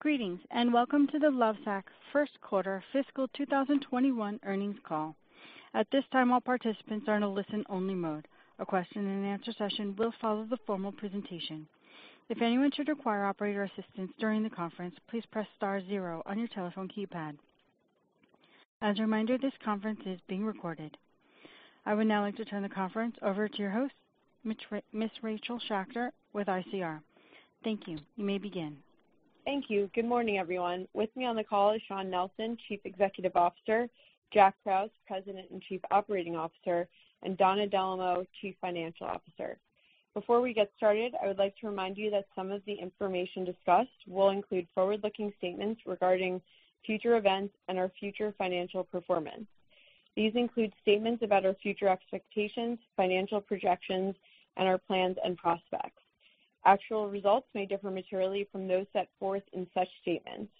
Greetings, and welcome to the Lovesac First Quarter Fiscal 2021 Earnings Call. At this time, all participants are in a listen-only mode. A question-and-answer session will follow the formal presentation. If anyone should require operator assistance during the conference, please press star zero on your telephone keypad. As a reminder, this conference is being recorded. I would now like to turn the conference over to your host, Ms. Rachel Schacter with ICR. Thank you. You may begin. Thank you. Good morning, everyone. With me on the call is Shawn Nelson, Chief Executive Officer, Jack Krause, President and Chief Operating Officer, and Donna Dellomo, Chief Financial Officer. Before we get started, I would like to remind you that some of the information discussed will include forward-looking statements regarding future events and our future financial performance. These include statements about our future expectations, financial projections, and our plans and prospects. Actual results may differ materially from those set forth in such statements.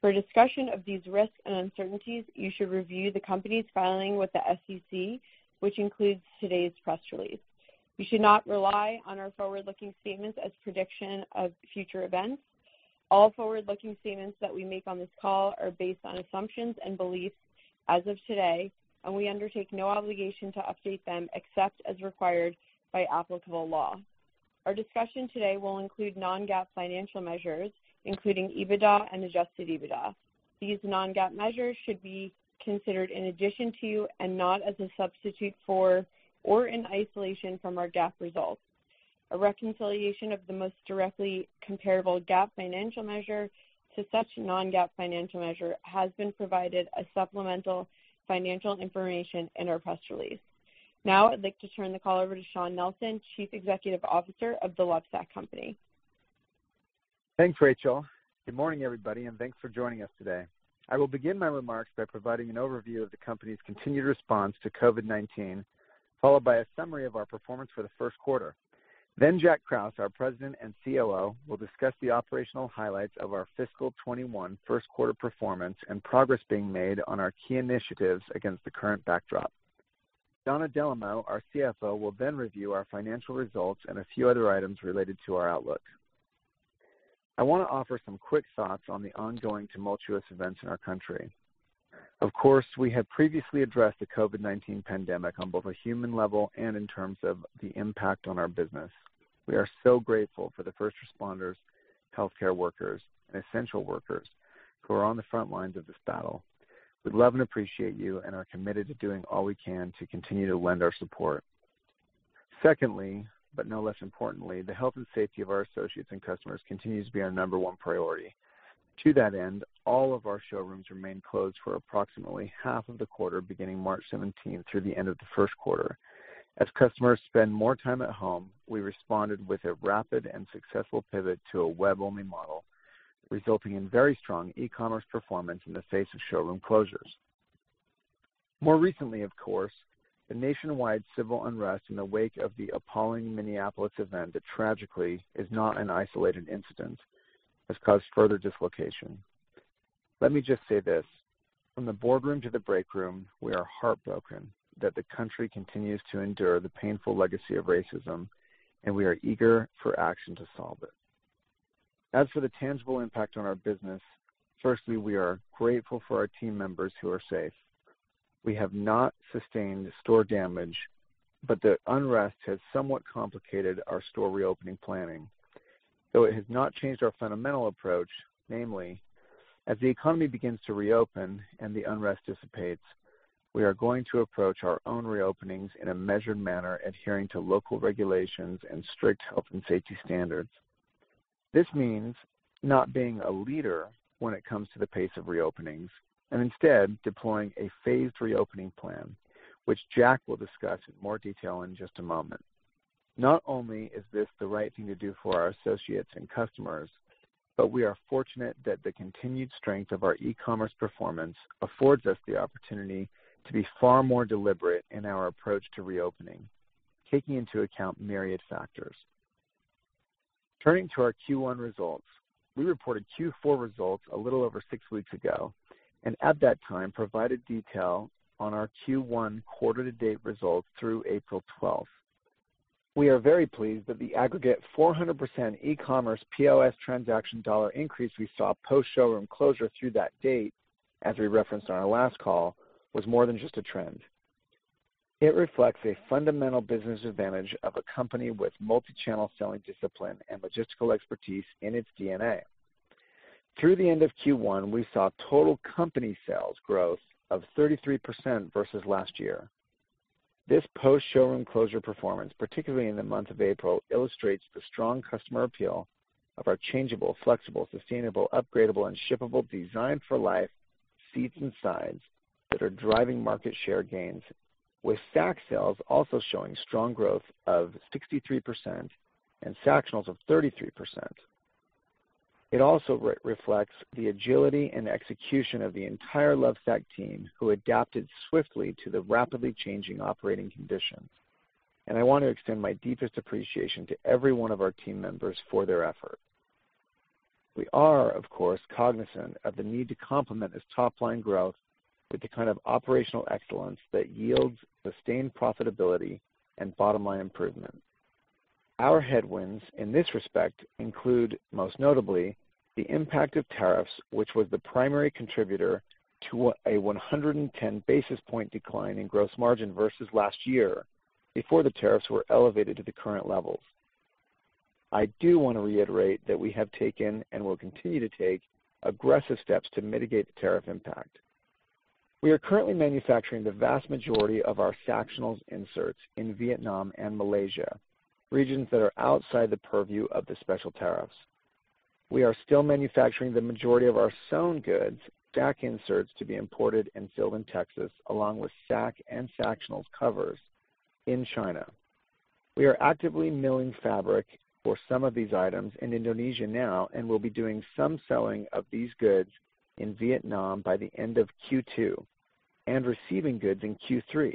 For a discussion of these risks and uncertainties, you should review the company's filing with the SEC, which includes today's press release. You should not rely on our forward-looking statements as prediction of future events. All forward-looking statements that we make on this call are based on assumptions and beliefs as of today, and we undertake no obligation to update them except as required by applicable law. Our discussion today will include non-GAAP financial measures, including EBITDA and Adjusted EBITDA. These non-GAAP measures should be considered in addition to, and not as a substitute for, or in isolation from, our GAAP results. A reconciliation of the most directly comparable GAAP financial measure to such non-GAAP financial measure has been provided as supplemental financial information in our press release. Now I'd like to turn the call over to Shawn Nelson, Chief Executive Officer of The Lovesac Company. Thanks, Rachel. Good morning, everybody, and thanks for joining us today. I will begin my remarks by providing an overview of the company's continued response to COVID-19, followed by a summary of our performance for the first quarter. Jack Krause, our President and COO, will discuss the operational highlights of our fiscal 2021 first quarter performance and progress being made on our key initiatives against the current backdrop. Donna Dellomo, our CFO, will then review our financial results and a few other items related to our outlook. I wanna offer some quick thoughts on the ongoing tumultuous events in our country. Of course, we have previously addressed the COVID-19 pandemic on both a human level and in terms of the impact on our business. We are so grateful for the first responders, healthcare workers, and essential workers who are on the front lines of this battle. We love and appreciate you and are committed to doing all we can to continue to lend our support. Secondly, but no less importantly, the health and safety of our associates and customers continues to be our number one priority. To that end, all of our showrooms remain closed for approximately half of the quarter, beginning March seventeenth through the end of the first quarter. As customers spend more time at home, we responded with a rapid and successful pivot to a web-only model, resulting in very strong e-commerce performance in the face of showroom closures. More recently, of course, the nationwide civil unrest in the wake of the appalling Minneapolis event that tragically is not an isolated incident has caused further dislocation. Let me just say this. From the boardroom to the break room, we are heartbroken that the country continues to endure the painful legacy of racism, and we are eager for action to solve it. As for the tangible impact on our business, firstly, we are grateful for our team members who are safe. We have not sustained store damage, but the unrest has somewhat complicated our store reopening planning, though it has not changed our fundamental approach, namely, as the economy begins to reopen and the unrest dissipates, we are going to approach our own reopenings in a measured manner, adhering to local regulations and strict health and safety standards. This means not being a leader when it comes to the pace of reopenings and instead deploying a phased reopening plan, which Jack will discuss in more detail in just a moment. Not only is this the right thing to do for our associates and customers, but we are fortunate that the continued strength of our e-commerce performance affords us the opportunity to be far more deliberate in our approach to reopening, taking into account myriad factors. Turning to our Q1 results, we reported Q4 results a little over six weeks ago, and at that time provided detail on our Q1 quarter to date results through April twelfth. We are very pleased that the aggregate 400% e-commerce POS transaction dollar increase we saw post-showroom closure through that date, as we referenced on our last call, was more than just a trend. It reflects a fundamental business advantage of a company with multi-channel selling discipline and logistical expertise in its DNA. Through the end of Q1, we saw total company sales growth of 33% versus last year. This post-showroom closure performance, particularly in the month of April, illustrates the strong customer appeal of our changeable, flexible, sustainable, upgradable, and shippable design for life Seats and Sides that are driving market share gains, with Sac sales also showing strong growth of 63% and Sactionals of 33%. It also reflects the agility and execution of the entire Lovesac team, who adapted swiftly to the rapidly changing operating conditions. I want to extend my deepest appreciation to every one of our team members for their effort. We are, of course, cognizant of the need to complement this top-line growth with the kind of operational excellence that yields sustained profitability and bottom-line improvement. Our headwinds in this respect include, most notably, the impact of tariffs, which was the primary contributor to a 110 basis point decline in gross margin versus last year before the tariffs were elevated to the current levels. I do want to reiterate that we have taken and will continue to take aggressive steps to mitigate the tariff impact. We are currently manufacturing the vast majority of our Sactional inserts in Vietnam and Malaysia, regions that are outside the purview of the special tariffs. We are still manufacturing the majority of our sewn goods, Sac inserts to be imported and filled in Texas, along with Sac and Sactional covers in China. We are actively milling fabric for some of these items in Indonesia now, and we'll be doing some selling of these goods in Vietnam by the end of Q2 and receiving goods in Q3.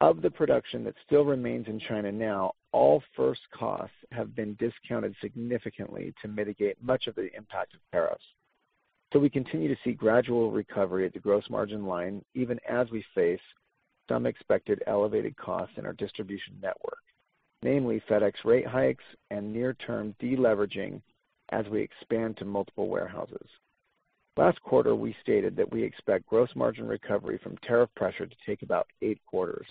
Of the production that still remains in China now, all first costs have been discounted significantly to mitigate much of the impact of tariffs. We continue to see gradual recovery at the gross margin line, even as we face some expected elevated costs in our distribution network, namely FedEx rate hikes and near-term deleveraging as we expand to multiple warehouses. Last quarter, we stated that we expect gross margin recovery from tariff pressure to take about eight quarters.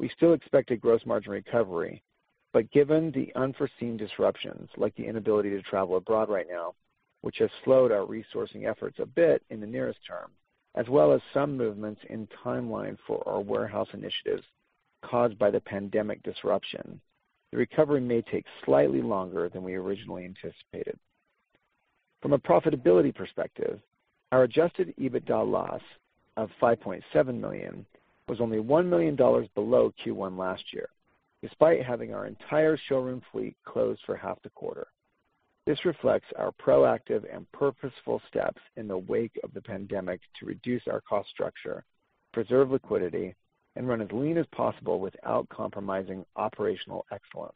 We still expected gross margin recovery, but given the unforeseen disruptions, like the inability to travel abroad right now, which has slowed our resourcing efforts a bit in the nearest term, as well as some movements in timeline for our warehouse initiatives caused by the pandemic disruption, the recovery may take slightly longer than we originally anticipated. From a profitability perspective, our Adjusted EBITDA loss of $5.7 million was only $1 million below Q1 last year, despite having our entire showroom fleet closed for half the quarter. This reflects our proactive and purposeful steps in the wake of the pandemic to reduce our cost structure, preserve liquidity, and run as lean as possible without compromising operational excellence.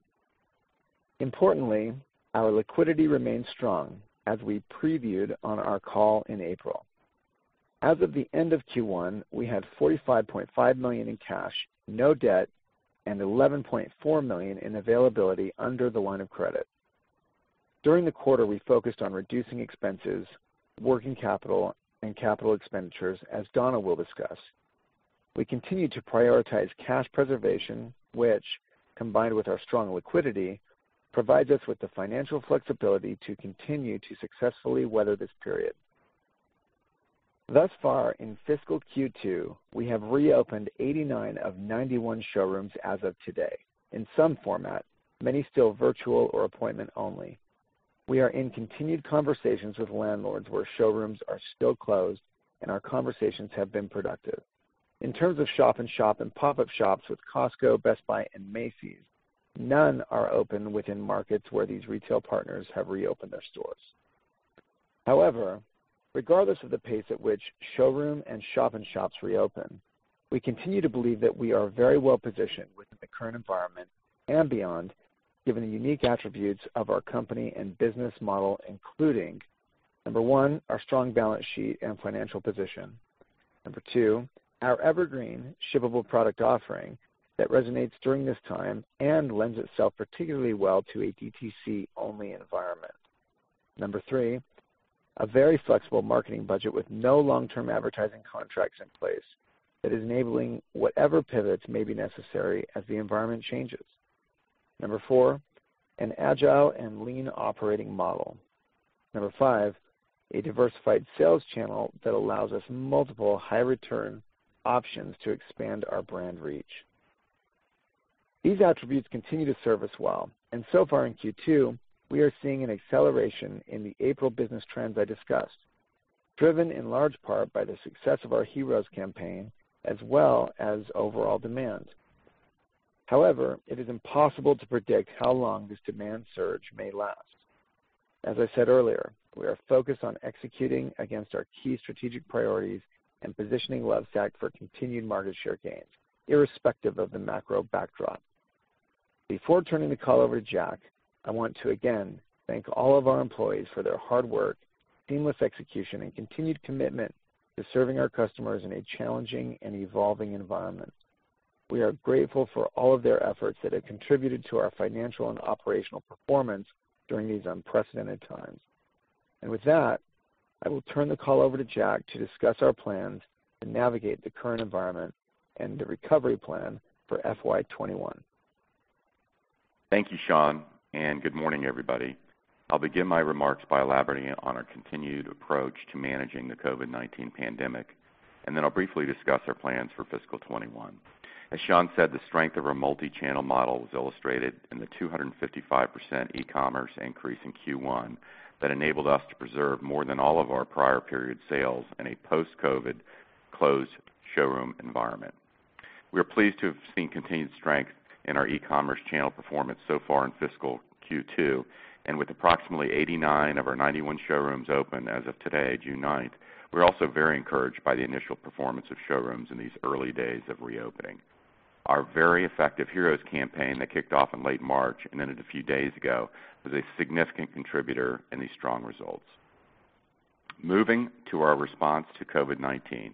Importantly, our liquidity remains strong as we previewed on our call in April. As of the end of Q1, we had $45.5 million in cash, no debt, and $11.4 million in availability under the line of credit. During the quarter, we focused on reducing expenses, working capital, and capital expenditures, as Donna will discuss. We continue to prioritize cash preservation, which, combined with our strong liquidity, provides us with the financial flexibility to continue to successfully weather this period. Thus far in fiscal Q2, we have reopened 89 of 91 showrooms as of today. In some format, many still virtual or appointment only. We are in continued conversations with landlords where showrooms are still closed, and our conversations have been productive. In terms of shop-in-shops and pop-up shops with Costco, Best Buy, and Macy's, none are open within markets where these retail partners have reopened their stores. However, regardless of the pace at which showroom and shop-in-shops reopen, we continue to believe that we are very well-positioned within the current environment and beyond, given the unique attributes of our company and business model, including, number one, our strong balance sheet and financial position. Number two, our evergreen shippable product offering that resonates during this time and lends itself particularly well to a DTC-only environment. Number three, a very flexible marketing budget with no long-term advertising contracts in place that is enabling whatever pivots may be necessary as the environment changes. Number four, an agile and lean operating model. Number five, a diversified sales channel that allows us multiple high-return options to expand our brand reach. These attributes continue to serve us well, and so far in Q2, we are seeing an acceleration in the April business trends I discussed, driven in large part by the success of our Heroes campaign as well as overall demand. However, it is impossible to predict how long this demand surge may last. As I said earlier, we are focused on executing against our key strategic priorities and positioning Lovesac for continued market share gains, irrespective of the macro backdrop. Before turning the call over to Jack, I want to again thank all of our employees for their hard work, seamless execution, and continued commitment to serving our customers in a challenging and evolving environment. We are grateful for all of their efforts that have contributed to our financial and operational performance during these unprecedented times. With that, I will turn the call over to Jack to discuss our plans to navigate the current environment and the recovery plan for FY 2021. Thank you, Sean, and good morning, everybody. I'll begin my remarks by elaborating on our continued approach to managing the COVID-19 pandemic, and then I'll briefly discuss our plans for fiscal 2021. As Sean said, the strength of our multi-channel model was illustrated in the 255% e-commerce increase in Q1 that enabled us to preserve more than all of our prior period sales in a post-COVID closed showroom environment. We are pleased to have seen continued strength in our e-commerce channel performance so far in fiscal Q2, and with approximately 89 of our 91 showrooms open as of today, June 9, we're also very encouraged by the initial performance of showrooms in these early days of reopening. Our very effective Heroes campaign that kicked off in late March and ended a few days ago was a significant contributor in these strong results. Moving to our response to COVID-19.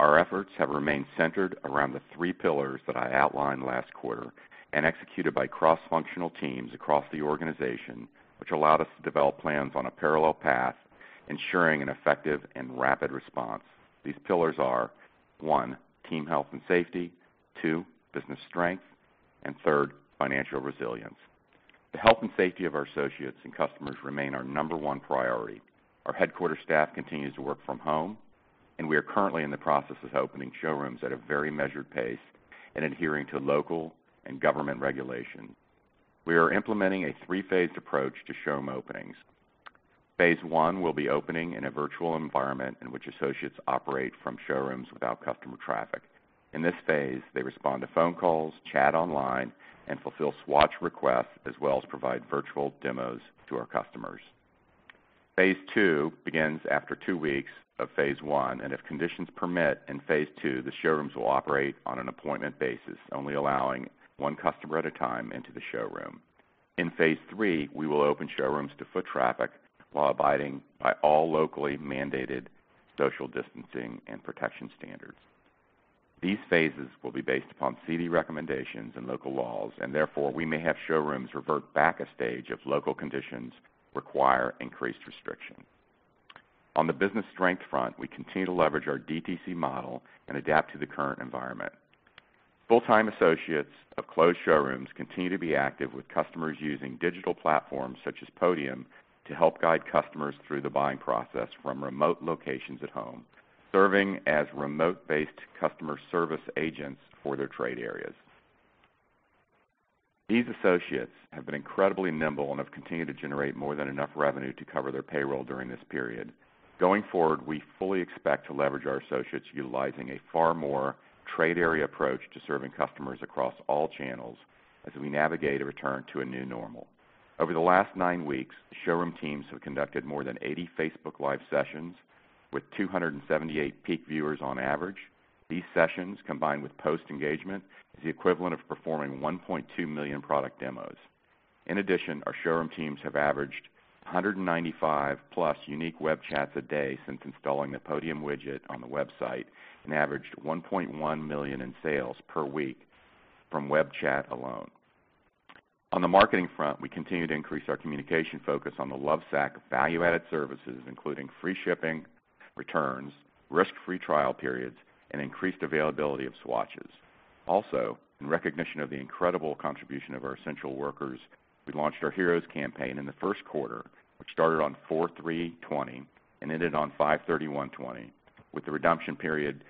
Our efforts have remained centered around the three pillars that I outlined last quarter and executed by cross-functional teams across the organization, which allowed us to develop plans on a parallel path, ensuring an effective and rapid response. These pillars are, one, team health and safety. Two, business strength. And third, financial resilience. The health and safety of our associates and customers remain our number one priority. Our headquarters staff continues to work from home, and we are currently in the process of opening showrooms at a very measured pace and adhering to local and government regulation. We are implementing a three-phased approach to showroom openings. Phase one will be opening in a virtual environment in which associates operate from showrooms without customer traffic. In this phase, they respond to phone calls, chat online, and fulfill swatch requests, as well as provide virtual demos to our customers. Phase two begins after two weeks of phase one, and if conditions permit in phase two, the showrooms will operate on an appointment basis, only allowing one customer at a time into the showroom. In phase three, we will open showrooms to foot traffic while abiding by all locally mandated social distancing and protection standards. These phases will be based upon city recommendations and local laws, and therefore we may have showrooms revert back a stage if local conditions require increased restriction. On the business strength front, we continue to leverage our DTC model and adapt to the current environment. Full-time associates of closed showrooms continue to be active, with customers using digital platforms such as Podium to help guide customers through the buying process from remote locations at home, serving as remote-based customer service agents for their trade areas. These associates have been incredibly nimble and have continued to generate more than enough revenue to cover their payroll during this period. Going forward, we fully expect to leverage our associates utilizing a far more trade area approach to serving customers across all channels as we navigate a return to a new normal. Over the last nine weeks, the showroom teams have conducted more than 80 Facebook Live sessions with 278 peak viewers on average. These sessions, combined with post-engagement, is the equivalent of performing 1.2 million product demos. In addition, our showroom teams have averaged 195+ unique web chats a day since installing the Podium widget on the website and averaged $1.1 million in sales per week from web chat alone. On the marketing front, we continue to increase our communication focus on the Lovesac value-added services, including free shipping, returns, risk-free trial periods, and increased availability of swatches. In recognition of the incredible contribution of our essential workers, we launched our Heroes campaign in the first quarter, which started on 4/3/2020 and ended on 5/31/2020, with the redemption period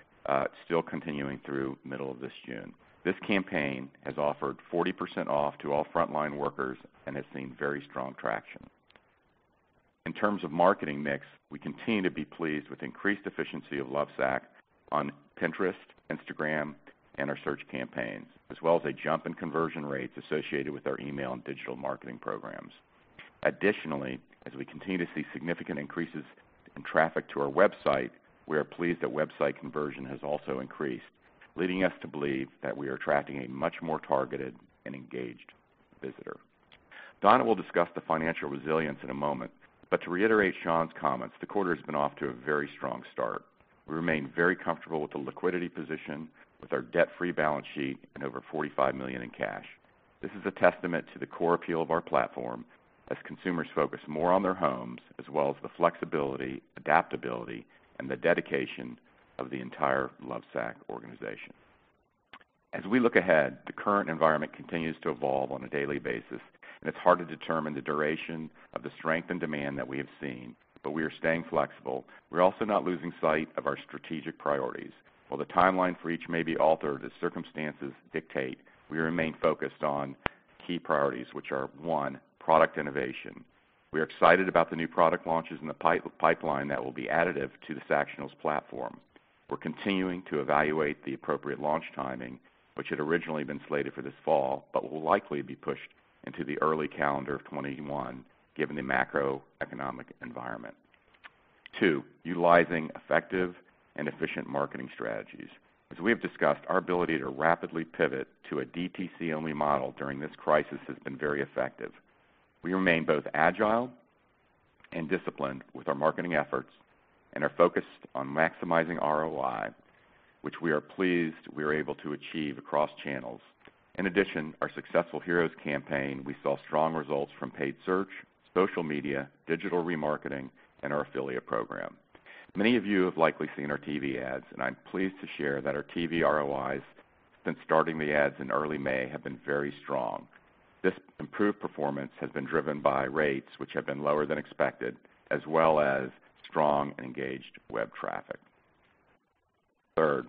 still continuing through middle of this June. This campaign has offered 40% off to all frontline workers and has seen very strong traction. In terms of marketing mix, we continue to be pleased with increased efficiency of Lovesac on Pinterest, Instagram, and our search campaigns, as well as a jump in conversion rates associated with our email and digital marketing programs. Additionally, as we continue to see significant increases in traffic to our website, we are pleased that website conversion has also increased, leading us to believe that we are attracting a much more targeted and engaged visitor. Donna will discuss the financial resilience in a moment, but to reiterate Shawn's comments, the quarter's been off to a very strong start. We remain very comfortable with the liquidity position, with our debt-free balance sheet, and over $45 million in cash. This is a testament to the core appeal of our platform as consumers focus more on their homes, as well as the flexibility, adaptability, and the dedication of the entire Lovesac organization. As we look ahead, the current environment continues to evolve on a daily basis, and it's hard to determine the duration of the strength and demand that we have seen, but we are staying flexible. We're also not losing sight of our strategic priorities. While the timeline for each may be altered as circumstances dictate, we remain focused on key priorities, which are, one, product innovation. We are excited about the new product launches in the pipeline that will be additive to the Sactionals platform. We're continuing to evaluate the appropriate launch timing, which had originally been slated for this fall, but will likely be pushed into the early calendar of 2021 given the macroeconomic environment. Two, utilizing effective and efficient marketing strategies. As we have discussed, our ability to rapidly pivot to a DTC-only model during this crisis has been very effective. We remain both agile and disciplined with our marketing efforts and are focused on maximizing ROI, which we are pleased we are able to achieve across channels. In addition to our successful Heroes campaign, we saw strong results from paid search, social media, digital remarketing, and our affiliate program. Many of you have likely seen our TV ads, and I'm pleased to share that our TV ROIs since starting the ads in early May have been very strong. This improved performance has been driven by rates which have been lower than expected, as well as strong and engaged web traffic. Third,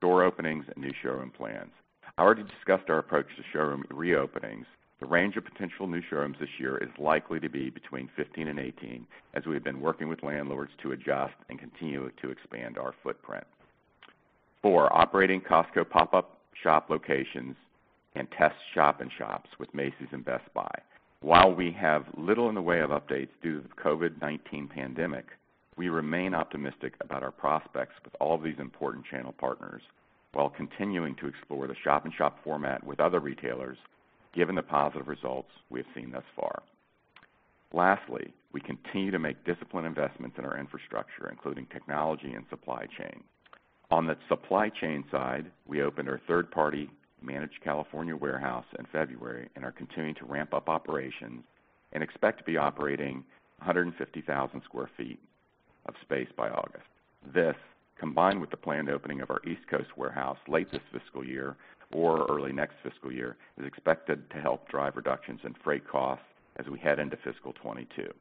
door openings and new showroom plans. I already discussed our approach to showroom reopenings. The range of potential new showrooms this year is likely to be between 15 and 18, as we have been working with landlords to adjust and continue to expand our footprint. Four. Operating Costco pop-up shop locations and test shop-in-shops with Macy's and Best Buy. While we have little in the way of updates due to the COVID-19 pandemic, we remain optimistic about our prospects with all these important channel partners, while continuing to explore the shop-in-shop format with other retailers, given the positive results we have seen thus far. Lastly, we continue to make disciplined investments in our infrastructure, including technology and supply chain. On the supply chain side, we opened our third-party managed California warehouse in February and are continuing to ramp up operations and expect to be operating 150,000 sq ft of space by August. This, combined with the planned opening of our East Coast warehouse late this fiscal year or early next fiscal year, is expected to help drive reductions in freight costs as we head into fiscal 2022.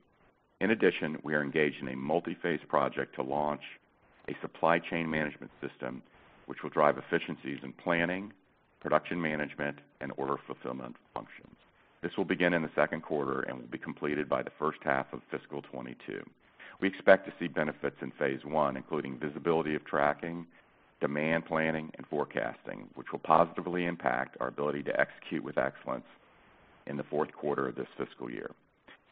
In addition, we are engaged in a multi-phase project to launch a supply chain management system, which will drive efficiencies in planning, production management and order fulfillment functions. This will begin in the second quarter and will be completed by the first half of fiscal 2022. We expect to see benefits in phase one, including visibility of tracking, demand planning and forecasting, which will positively impact our ability to execute with excellence in the fourth quarter of this fiscal year.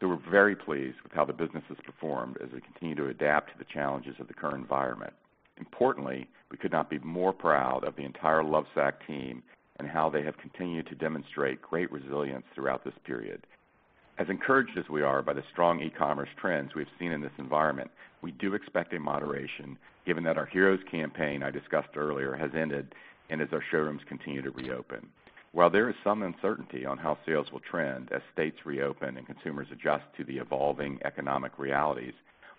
We're very pleased with how the business has performed as we continue to adapt to the challenges of the current environment. Importantly, we could not be more proud of the entire Lovesac team and how they have continued to demonstrate great resilience throughout this period. As encouraged as we are by the strong e-commerce trends we have seen in this environment, we do expect a moderation given that our Heroes campaign I discussed earlier has ended and as our showrooms continue to reopen. While there is some uncertainty on how sales will trend as states reopen and consumers adjust to the evolving economic realities,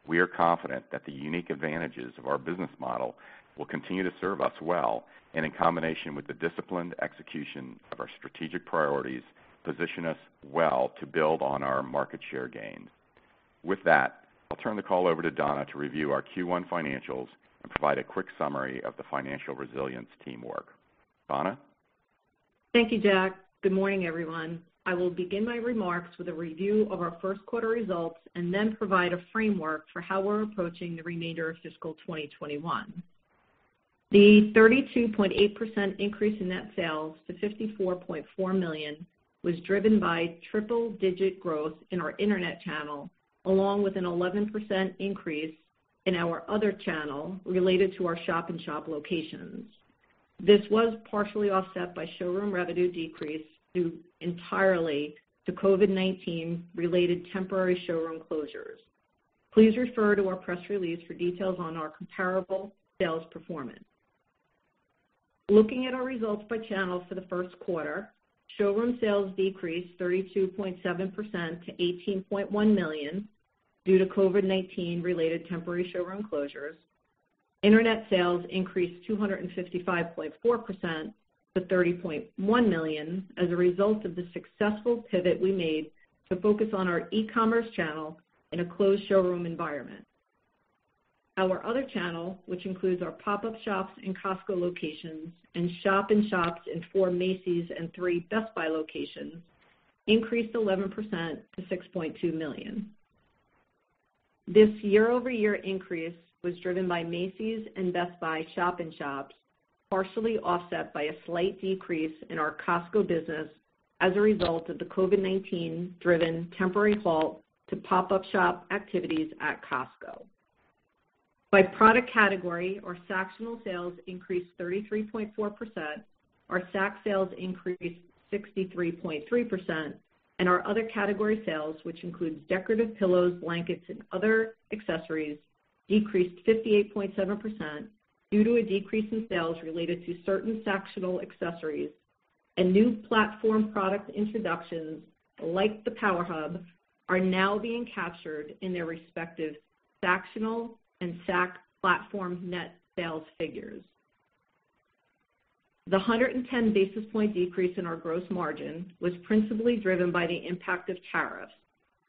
we are confident that the unique advantages of our business model will continue to serve us well, and in combination with the disciplined execution of our strategic priorities, position us well to build on our market share gains. With that, I'll turn the call over to Donna to review our Q1 financials and provide a quick summary of the financial resilience teamwork. Donna. Thank you, Jack. Good morning, everyone. I will begin my remarks with a review of our first quarter results and then provide a framework for how we're approaching the remainder of fiscal 2021. The 32.8% increase in net sales to $54.4 million was driven by triple digit growth in our internet channel, along with an 11% increase in our other channel related to our shop in shop locations. This was partially offset by showroom revenue decrease due entirely to COVID-19 related temporary showroom closures. Please refer to our press release for details on our comparable sales performance. Looking at our results by channel for the first quarter, showroom sales decreased 32.7% to $18.1 million due to COVID-19 related temporary showroom closures. Internet sales increased 255.4% to $30.1 million as a result of the successful pivot we made to focus on our e-commerce channel in a closed showroom environment. Our other channel, which includes our pop-up shops and Costco locations and shop-in-shops in four Macy's and three Best Buy locations, increased 11% to $6.2 million. This YoY increase was driven by Macy's and Best Buy shop-in-shops, partially offset by a slight decrease in our Costco business as a result of the COVID-19 driven temporary halt to pop-up shop activities at Costco. By product category, our Sactionals sales increased 33.4%, our Sacs sales increased 63.3%, and our other category sales, which includes decorative pillows, blankets and other accessories, decreased 58.7% due to a decrease in sales related to certain Sactionals accessories and new platform product introductions like the Power Hub are now being captured in their respective Sactionals and Sacs platform net sales figures. The 110 basis point decrease in our gross margin was principally driven by the impact of tariffs,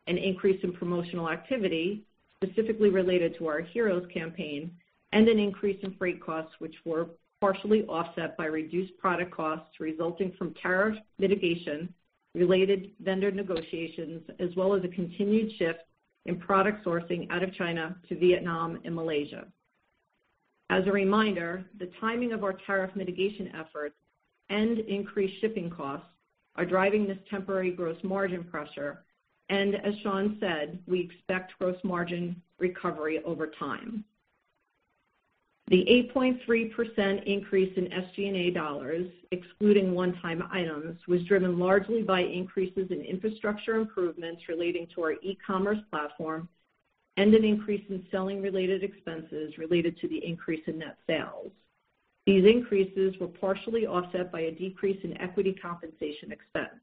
an increase in promotional activity specifically related to our Heroes campaign, and an increase in freight costs, which were partially offset by reduced product costs resulting from tariff mitigation related vendor negotiations, as well as a continued shift in product sourcing out of China to Vietnam and Malaysia. As a reminder, the timing of our tariff mitigation efforts and increased shipping costs are driving this temporary gross margin pressure. As Sean said, we expect gross margin recovery over time. The 8.3% increase in SG&A dollars, excluding one-time items, was driven largely by increases in infrastructure improvements relating to our e-commerce platform and an increase in selling-related expenses related to the increase in net sales. These increases were partially offset by a decrease in equity compensation expense.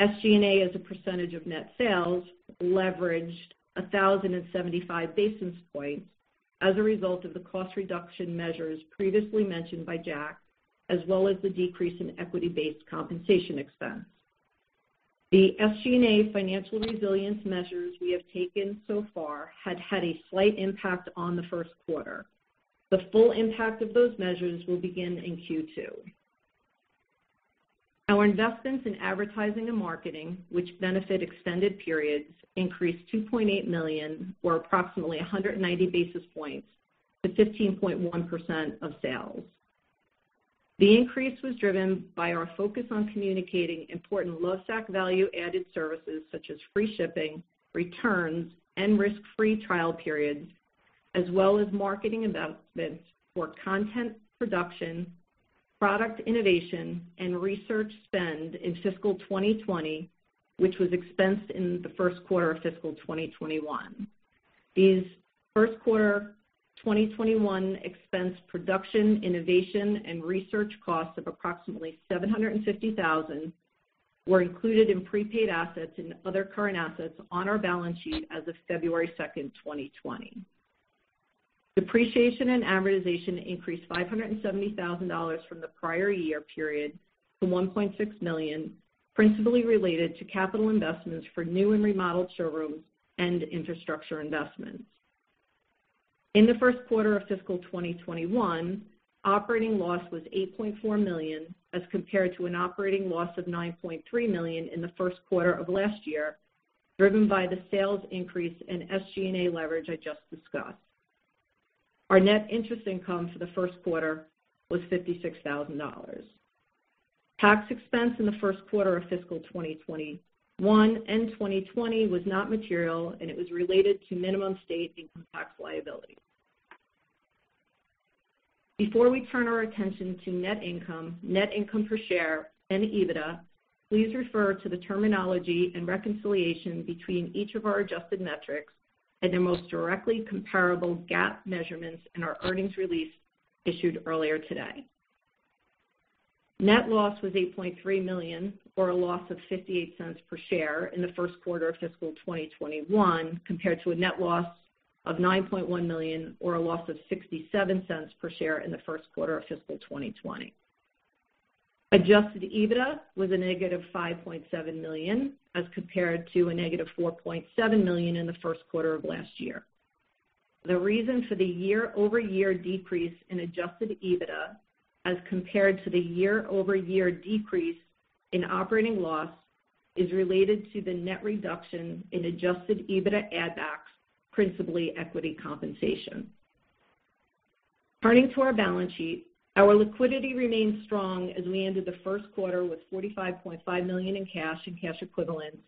SG&A, as a percentage of net sales, leveraged 1,075 basis points as a result of the cost reduction measures previously mentioned by Jack, as well as the decrease in equity-based compensation expense. The SG&A financial resilience measures we have taken so far had a slight impact on the first quarter. The full impact of those measures will begin in Q2. Our investments in advertising and marketing, which benefit extended periods, increased $2.8 million or approximately 190 basis points to 15.1% of sales. The increase was driven by our focus on communicating important Lovesac value-added services, such as free shipping, returns, and risk-free trial periods, as well as marketing investments for content production, product innovation, and research spend in fiscal 2020, which was expensed in the first quarter of fiscal 2021. These first quarter 2021 expenses for production, innovation, and research costs of approximately $750,000 were included in prepaid assets and other current assets on our balance sheet as of February 2, 2020. Depreciation and amortization increased $570,000 from the prior year period to $1.6 million, principally related to capital investments for new and remodeled showrooms and infrastructure investments. In the first quarter of fiscal 2021, operating loss was $8.4 million, as compared to an operating loss of $9.3 million in the first quarter of last year, driven by the sales increase and SG&A leverage I just discussed. Our net interest income for the first quarter was $56,000. Tax expense in the first quarter of fiscal 2021 and 2020 was not material, and it was related to minimum state income tax liability. Before we turn our attention to net income, net income per share and EBITDA, please refer to the terminology and reconciliation between each of our adjusted metrics and their most directly comparable GAAP measurements in our earnings release issued earlier today. Net loss was $8.3 million, or a loss of $0.58 per share in the first quarter of fiscal 2021, compared to a net loss of $9.1 million, or a loss of $0.67 per share in the first quarter of fiscal 2020. Adjusted EBITDA was -$5.7 million, as compared to -$4.7 million in the first quarter of last year. The reason for the YoY decrease in Adjusted EBITDA as compared to the YoY decrease in operating loss is related to the net reduction in Adjusted EBITDA add backs, principally equity compensation. Turning to our balance sheet, our liquidity remains strong as we ended the first quarter with $45.5 million in cash and cash equivalents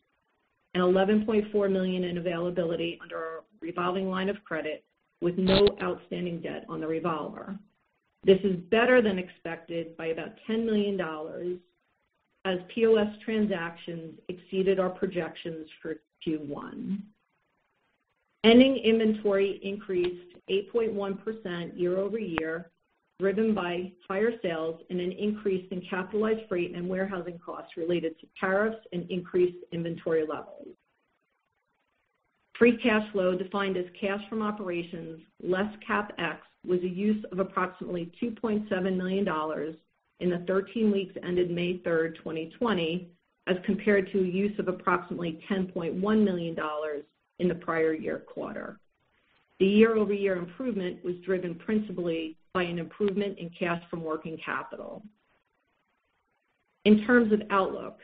and $11.4 million in availability under our revolving line of credit, with no outstanding debt on the revolver. This is better than expected by about $10 million, as POS transactions exceeded our projections for Q1. Ending inventory increased 8.1% YoY, driven by higher sales and an increase in capitalized freight and warehousing costs related to tariffs and increased inventory levels. Free cash flow, defined as cash from operations less CapEx, was a use of approximately $2.7 million in the thirteen weeks ended May 3, 2020, as compared to a use of approximately $10.1 million in the prior year quarter. The YoY improvement was driven principally by an improvement in cash from working capital. In terms of outlook,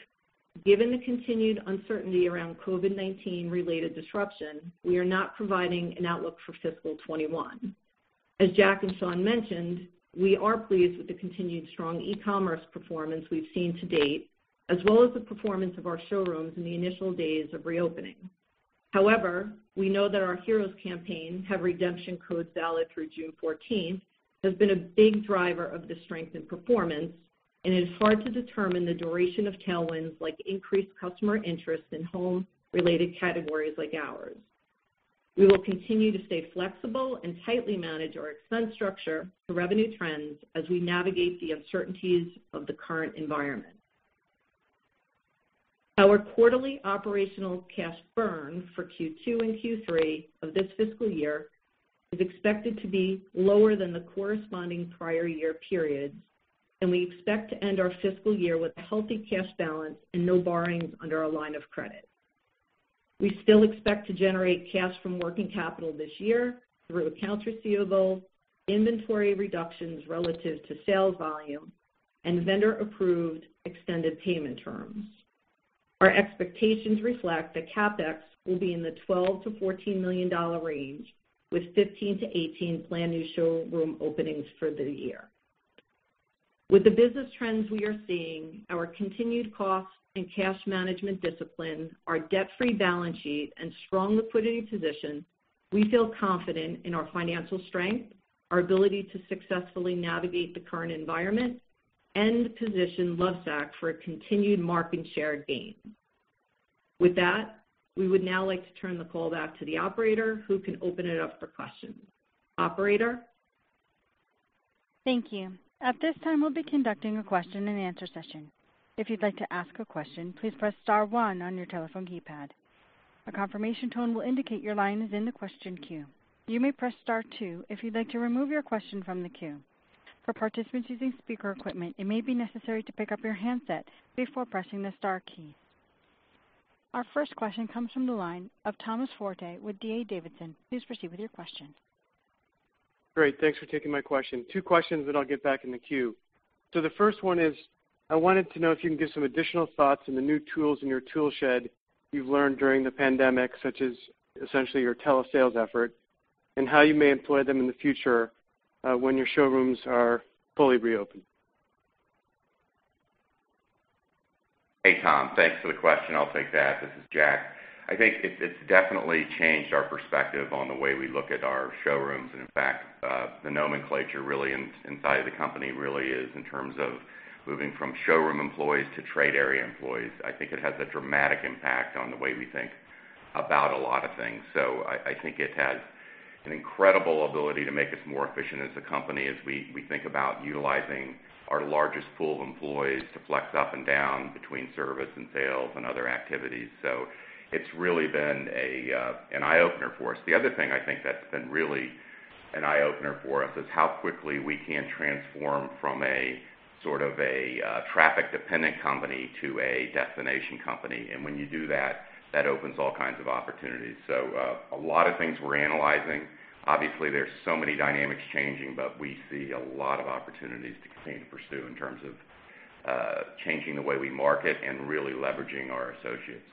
given the continued uncertainty around COVID-19 related disruption, we are not providing an outlook for fiscal 2021. As Jack and Shawn mentioned, we are pleased with the continued strong e-commerce performance we've seen to date, as well as the performance of our showrooms in the initial days of reopening. However, we know that our Heroes campaign have redemption codes valid through June fourteenth, has been a big driver of the strength and performance, and it is hard to determine the duration of tailwinds like increased customer interest in home-related categories like ours. We will continue to stay flexible and tightly manage our expense structure to revenue trends as we navigate the uncertainties of the current environment. Our quarterly operational cash burn for Q2 and Q3 of this fiscal year is expected to be lower than the corresponding prior year periods, and we expect to end our fiscal year with a healthy cash balance and no borrowings under our line of credit. We still expect to generate cash from working capital this year through accounts receivable, inventory reductions relative to sales volume, and vendor-approved extended payment terms. Our expectations reflect that CapEx will be in the $12 million-$14 million range with 15-18 planned new showroom openings for the year. With the business trends we are seeing, our continued cost and cash management discipline, our debt-free balance sheet and strong liquidity position, we feel confident in our financial strength, our ability to successfully navigate the current environment and position Lovesac for a continued market share gain. With that, we would now like to turn the call back to the operator who can open it up for questions. Operator? Thank you. At this time, we'll be conducting a question-and-answer session. If you'd like to ask a question, please press star one on your telephone keypad. A confirmation tone will indicate your line is in the question queue. You may press star two if you'd like to remove your question from the queue. For participants using speaker equipment, it may be necessary to pick up your handset before pressing the star key. Our first question comes from the line of Thomas Forte with D.A. Davidson. Please proceed with your question. Great. Thanks for taking my question. Two questions, then I'll get back in the queue. The first one is I wanted to know if you can give some additional thoughts on the new tools in your tool shed you've learned during the pandemic, such as essentially your telesales effort, and how you may employ them in the future, when your showrooms are fully reopened. Hey, Tom, thanks for the question. I'll take that. This is Jack. I think it's definitely changed our perspective on the way we look at our showrooms. In fact, the nomenclature really inside of the company is in terms of moving from showroom employees to trade area employees. I think it has a dramatic impact on the way we think about a lot of things. I think it has an incredible ability to make us more efficient as a company as we think about utilizing our largest pool of employees to flex up and down between service and sales and other activities. It's really been an eye-opener for us. The other thing I think that's been really an eye-opener for us is how quickly we can transform from a sort of a traffic-dependent company to a destination company. When you do that opens all kinds of opportunities. A lot of things we're analyzing. Obviously, there's so many dynamics changing, but we see a lot of opportunities to pursue in terms of changing the way we market and really leveraging our associates.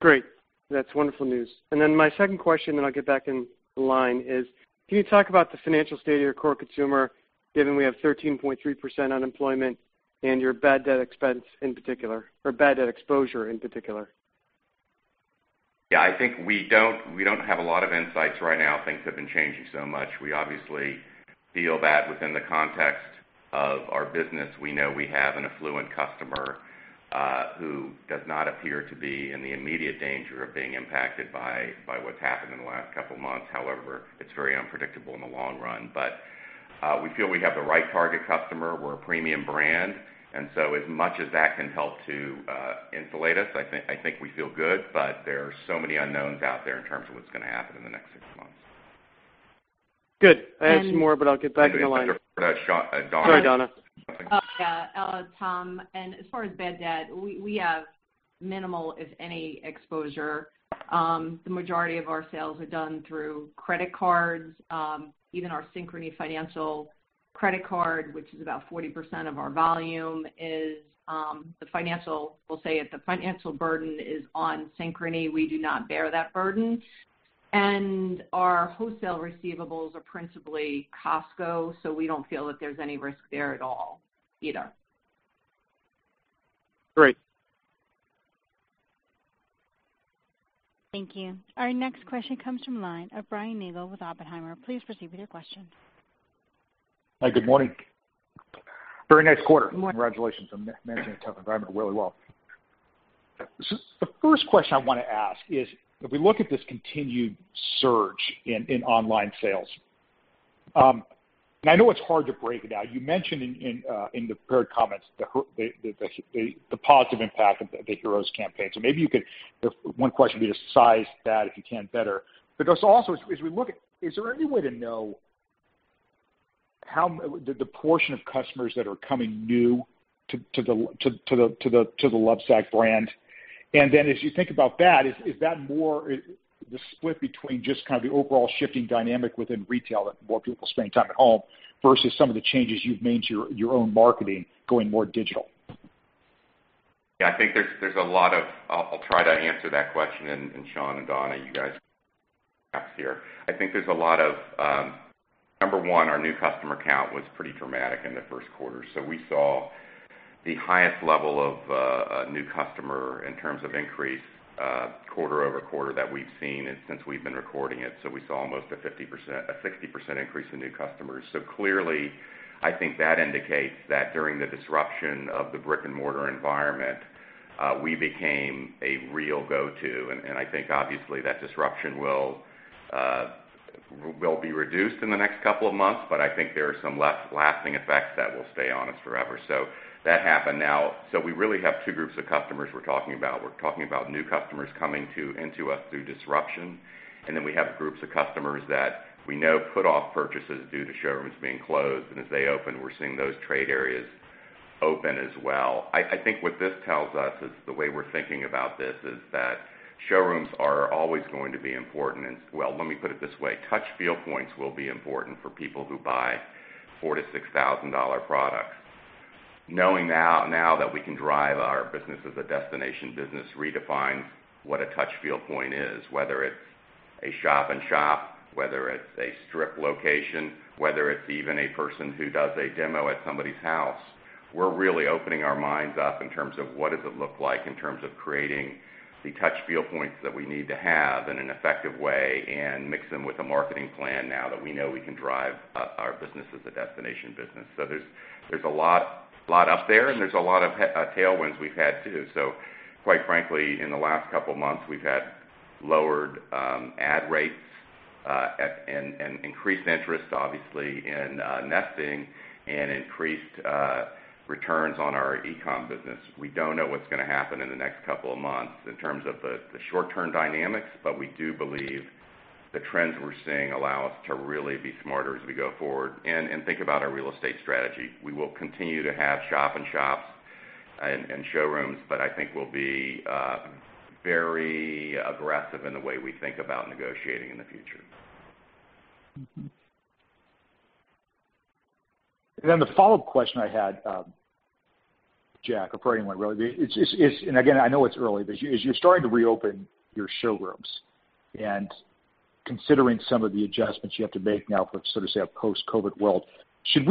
Great. That's wonderful news. My second question, then I'll get back in line, is can you talk about the financial state of your core consumer, given we have 13.3% unemployment and your bad debt expense in particular or bad debt exposure in particular? Yeah, I think we don't have a lot of insights right now. Things have been changing so much. We obviously feel that within the context of our business, we know we have an affluent customer who does not appear to be in the immediate danger of being impacted by what's happened in the last couple of months. However, it's very unpredictable in the long run. We feel we have the right target customer. We're a premium brand, and so as much as that can help to insulate us, I think we feel good. There are so many unknowns out there in terms of what's gonna happen in the next six months. Good. I have some more, but I'll get back in the line. Donna. Sorry, Donna. Yeah, Tom. As far as bad debt, we have minimal, if any, exposure. The majority of our sales are done through credit cards, even our Synchrony Financial credit card, which is about 40% of our volume. The financial burden is on Synchrony. We do not bear that burden. Our wholesale receivables are principally Costco, so we don't feel that there's any risk there at all either. Great. Thank you. Our next question comes from the line of Brian Nagel with Oppenheimer. Please proceed with your question. Hi, good morning. Very nice quarter. Good morning. Congratulations on managing a tough environment really well. The first question I wanna ask is, if we look at this continued surge in online sales, and I know it's hard to break it out. You mentioned in the prepared comments the positive impact of the Heroes campaign. Maybe you could. One question would be to size that, if you can, better. But also, as we look at, is there any way to know how the portion of customers that are coming new to the Lovesac brand? As you think about that, is that more the split between just kind of the overall shifting dynamic within retail that more people are spending time at home versus some of the changes you've made to your own marketing going more digital? Yeah, I think there's a lot of. I'll try to answer that question, and Shawn and Donna, you guys can chime in perhaps here. I think there's a lot of. Number one, our new customer count was pretty dramatic in the first quarter. We saw the highest level of a new customer in terms of increase QoQ that we've seen since we've been recording it. We saw a 60% increase in new customers. Clearly, I think that indicates that during the disruption of the brick-and-mortar environment, we became a real go-to. I think obviously that disruption will be reduced in the next couple of months, but I think there are some lasting effects that will stay on us forever. That happened now. We really have two groups of customers we're talking about. We're talking about new customers coming into us through disruption, and then we have groups of customers that we know put off purchases due to showrooms being closed. As they open, we're seeing those trade areas open as well. I think what this tells us is the way we're thinking about this is that showrooms are always going to be important. Well, let me put it this way. Touch-feel points will be important for people who buy $4,000-$6,000 products. Knowing now that we can drive our business as a destination business redefines what a touch-feel point is, whether it's a shop in shop, whether it's a strip location, whether it's even a person who does a demo at somebody's house. We're really opening our minds up in terms of what does it look like in terms of creating the touch-feel points that we need to have in an effective way and mix them with a marketing plan now that we know we can drive our business as a destination business. There's a lot up there, and there's a lot of tailwinds we've had too. Quite frankly, in the last couple of months, we've had lowered ad rates and increased interest, obviously, in nesting and increased returns on our e-com business. We don't know what's gonna happen in the next couple of months in terms of the short-term dynamics, but we do believe the trends we're seeing allow us to really be smarter as we go forward and think about our real estate strategy. We will continue to have shop in shops and showrooms, but I think we'll be very aggressive in the way we think about negotiating in the future. The follow-up question I had, Jack, or for anyone really, it's and again, I know it's early, but as you're starting to reopen your showrooms and considering some of the adjustments you have to make now for sort of, say, a post-COVID world, could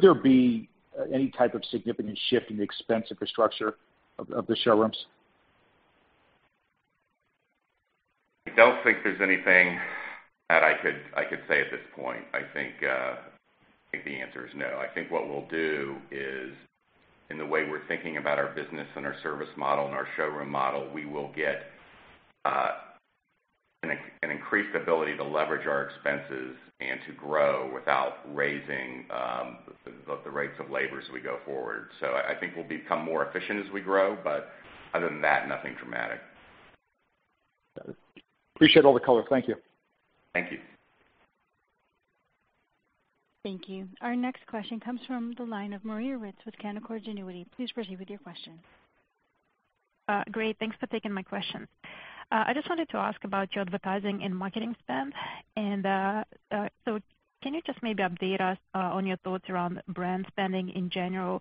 there be any type of significant shift in the expense infrastructure of the showrooms? I don't think there's anything that I could say at this point. I think the answer is no. I think what we'll do is, in the way we're thinking about our business and our service model and our showroom model, we will get an increased ability to leverage our expenses and to grow without raising the rates of labor as we go forward. I think we'll become more efficient as we grow, but other than that, nothing dramatic. Got it. Appreciate all the color. Thank you. Thank you. Thank you. Our next question comes from the line of Maria Ripps with Canaccord Genuity. Please proceed with your question. Great, thanks for taking my question. I just wanted to ask about your advertising and marketing spend. Can you just maybe update us on your thoughts around brand spending in general?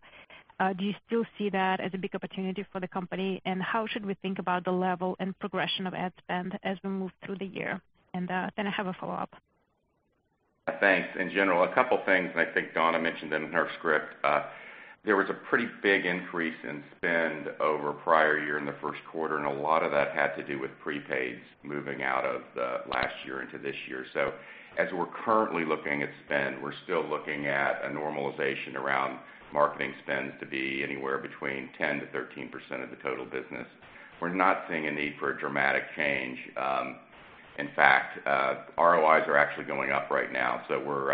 Do you still see that as a big opportunity for the company? How should we think about the level and progression of ad spend as we move through the year? I have a follow-up. Thanks. In general, a couple things, and I think Donna mentioned it in her script. There was a pretty big increase in spend over prior year in the first quarter, and a lot of that had to do with prepaids moving out of the last year into this year. As we're currently looking at spend, we're still looking at a normalization around marketing spends to be anywhere between 10%-13% of the total business. We're not seeing a need for a dramatic change. In fact, ROIs are actually going up right now, so we're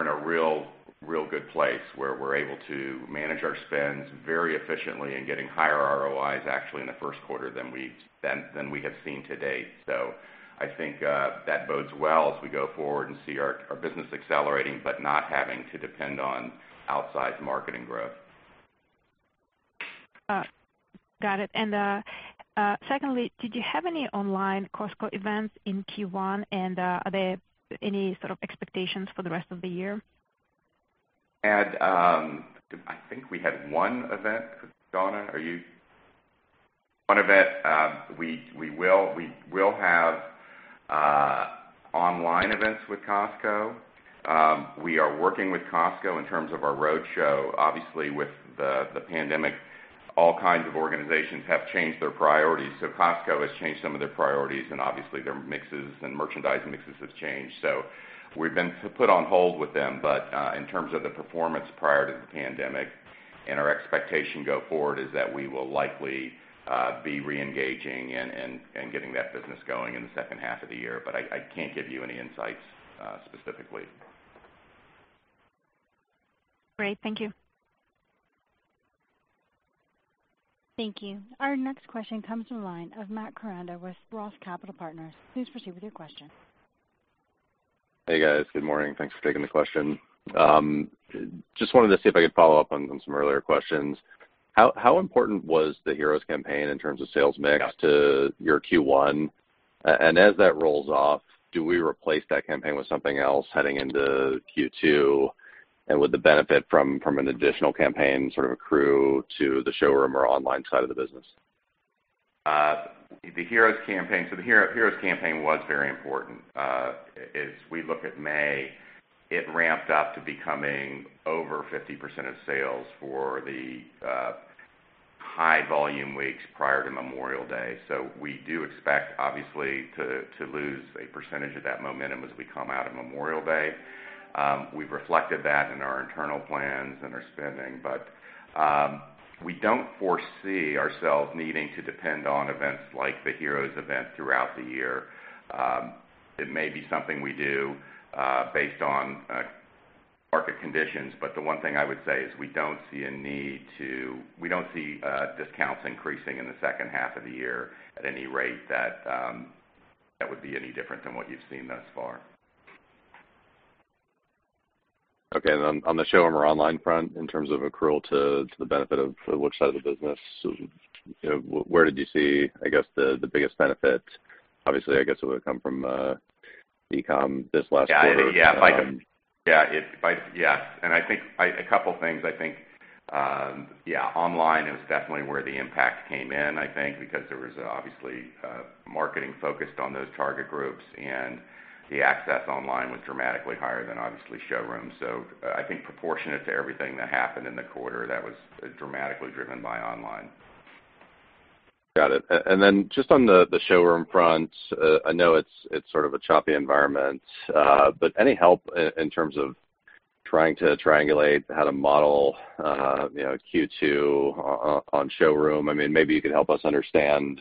in a real good place where we're able to manage our spends very efficiently and getting higher ROIs actually in the first quarter than we have seen to date. I think that bodes well as we go forward and see our business accelerating, but not having to depend on outsized marketing growth. Got it. Secondly, did you have any online Costco events in Q1, and are there any sort of expectations for the rest of the year? I think we had one event. Donna. One event. We will have online events with Costco. We are working with Costco in terms of our roadshow. Obviously, with the pandemic, all kinds of organizations have changed their priorities, so Costco has changed some of their priorities, and obviously their mixes and merchandise mixes have changed. We've been put on hold with them. In terms of the performance prior to the pandemic and our expectation go forward is that we will likely be reengaging and getting that business going in the second half of the year. I can't give you any insights specifically. Great. Thank you. Thank you. Our next question comes from the line of Matthew Koranda with ROTH Capital Partners. Please proceed with your question. Hey, guys. Good morning. Thanks for taking the question. Just wanted to see if I could follow up on some earlier questions. How important was the Heroes campaign in terms of sales mix- Yeah. to your Q1? As that rolls off, do we replace that campaign with something else heading into Q2? Would the benefit from an additional campaign sort of accrue to the showroom or online side of the business? The Heroes campaign. The Heroes campaign was very important. As we look at May, it ramped up to becoming over 50% of sales for the high volume weeks prior to Memorial Day. We do expect, obviously, to lose a percentage of that momentum as we come out of Memorial Day. We've reflected that in our internal plans and our spending. We don't foresee ourselves needing to depend on events like the Heroes event throughout the year. It may be something we do based on market conditions. The one thing I would say is we don't see discounts increasing in the second half of the year at any rate that would be any different than what you've seen thus far. Okay. On the showroom or online front, in terms of accrual to the benefit of which side of the business, you know, where did you see, I guess, the biggest benefit? Obviously, I guess it would've come from e-com this last quarter. I think a couple things. I think, yeah, online is definitely where the impact came in, I think, because there was obviously marketing focused on those target groups, and the access online was dramatically higher than obviously showrooms. I think proportionate to everything that happened in the quarter, that was dramatically driven by online. Got it. Then just on the showroom front, I know it's sort of a choppy environment, but any help in terms of trying to triangulate how to model, you know, Q2 on showroom? I mean, maybe you could help us understand,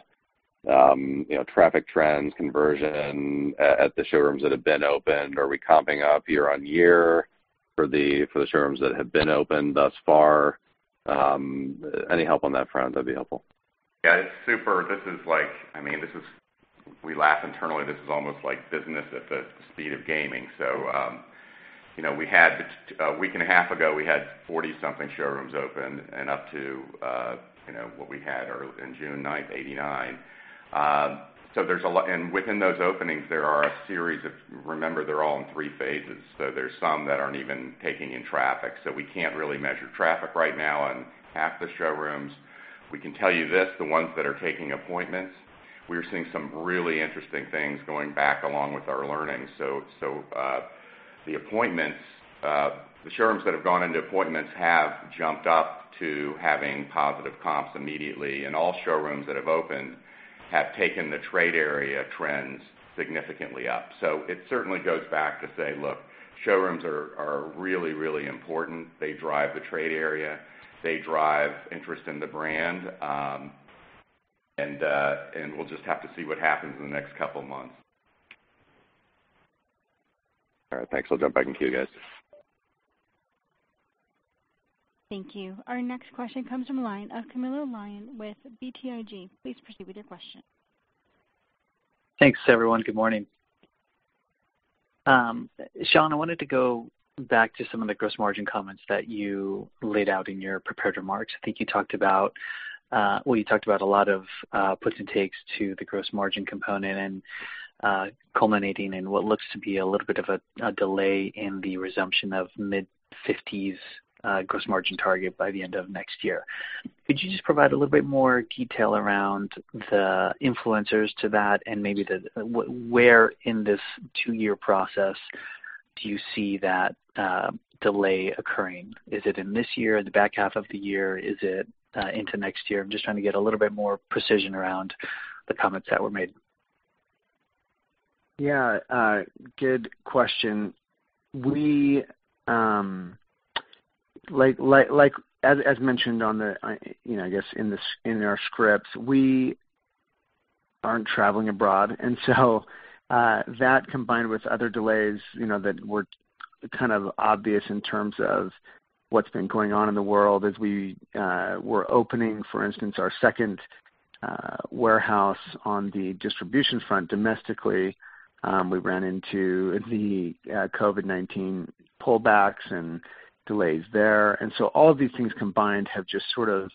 you know, traffic trends, conversion at the showrooms that have been opened. Are we comping up year on year for the showrooms that have been opened thus far? Any help on that front, that'd be helpful. Yeah, super. This is like, I mean, this is. We laugh internally, this is almost like business at the speed of gaming. You know, we had a week and a half ago, we had 40-something showrooms open and up to, you know, what we had in June 9, 89. Within those openings, there are a series of. Remember, they're all in three phases, so there's some that aren't even taking in traffic. We can't really measure traffic right now on half the showrooms. We can tell you this, the ones that are taking appointments, we are seeing some really interesting things going on along with our learning. The showrooms that have gone into appointments have jumped up to having positive comps immediately, and all showrooms that have opened have taken the trade area trends significantly up. It certainly goes back to say, look, showrooms are really important. They drive the trade area, they drive interest in the brand, and we'll just have to see what happens in the next couple of months. All right, thanks. I'll jump back in queue, guys. Thank you. Our next question comes from the line of Camilo Lyon with BTIG. Please proceed with your question. Thanks, everyone. Good morning. Sean, I wanted to go back to some of the gross margin comments that you laid out in your prepared remarks. I think you talked about, well, you talked about a lot of puts and takes to the gross margin component and, culminating in what looks to be a little bit of a delay in the resumption of mid-50s gross margin target by the end of next year. Could you just provide a little bit more detail around the influences to that and maybe where in this two-year process do you see that delay occurring? Is it in this year, the back half of the year? Is it into next year? I'm just trying to get a little bit more precision around the comments that were made. Yeah, good question. We, like, as mentioned in the scripts, you know, I guess we aren't traveling abroad. That combined with other delays, you know, that were kind of obvious in terms of what's been going on in the world. As we were opening, for instance, our second warehouse on the distribution front domestically, we ran into the COVID-19 pullbacks and delays there. All of these things combined have just sort of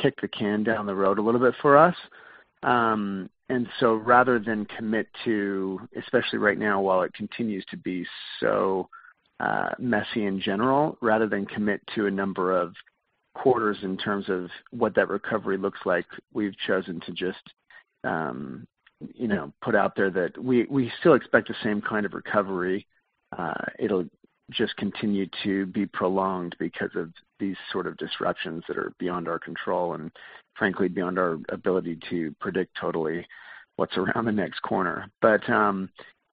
kicked the can down the road a little bit for us. Rather than commit to, especially right now while it continues to be so messy in general, rather than commit to a number of quarters in terms of what that recovery looks like, we've chosen to just, you know, put out there that we still expect the same kind of recovery. It'll just continue to be prolonged because of these sort of disruptions that are beyond our control and frankly, beyond our ability to predict totally what's around the next corner.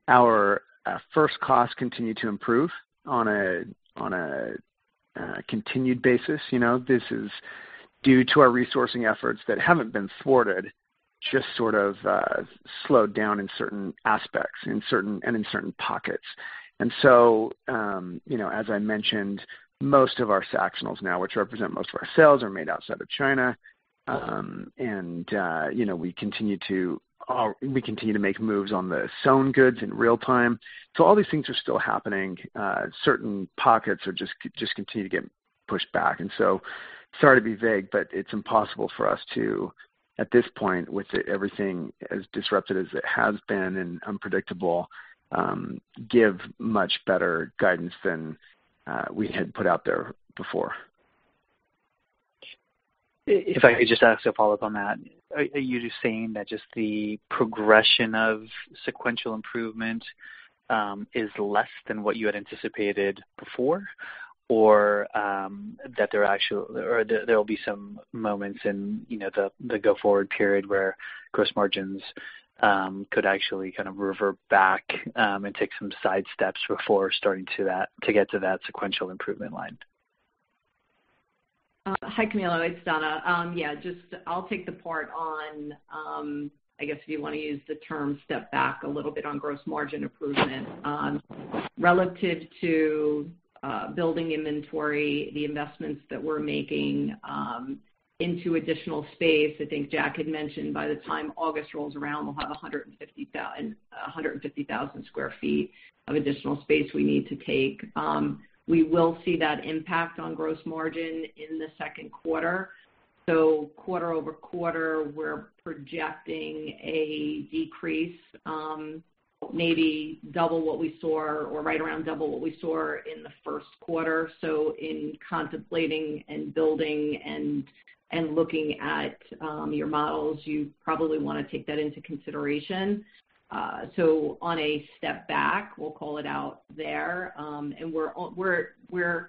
Our freight costs continue to improve on a continued basis. You know, this is due to our sourcing efforts that haven't been thwarted, just sort of slowed down in certain aspects and in certain pockets. As I mentioned, most of our Sactionals now, which represent most of our sales, are made outside of China. We continue to make moves on the sewn goods in real time. All these things are still happening. Certain pockets just continue to get pushed back. Sorry to be vague, but it's impossible for us to, at this point, with everything as disrupted as it has been and unpredictable, give much better guidance than we had put out there before. If I could just ask a follow-up on that. Are you just saying that just the progression of sequential improvement is less than what you had anticipated before? Or that there will be some moments in, you know, the go-forward period where gross margins could actually kind of revert back and take some side steps before starting to get to that sequential improvement line? Hi, Camilo. It's Donna. Yeah, just I'll take the part on, I guess if you wanna use the term step back a little bit on gross margin improvement. Relative to building inventory, the investments that we're making into additional space, I think Jack had mentioned by the time August rolls around, we'll have 150,000 sq ft of additional space we need to take. We will see that impact on gross margin in the second quarter. QoQ, we're projecting a decrease, maybe double what we saw or right around double what we saw in the first quarter. In contemplating and building and looking at your models, you probably wanna take that into consideration. On a step back, we'll call it out there. We're